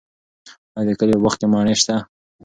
آیا د کلي په باغ کې مڼې شته؟